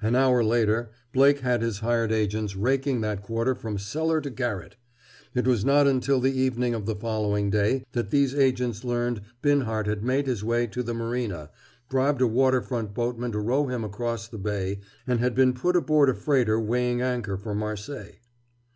An hour later Blake had his hired agents raking that quarter from cellar to garret. It was not until the evening of the following day that these agents learned Binhart had made his way to the Marina, bribed a water front boatman to row him across the bay, and had been put aboard a freighter weighing anchor for Marseilles.